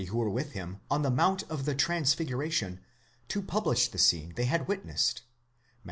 287 who were with him on the mount of the Transfiguration, to publish the scene they had witnessed (Matt.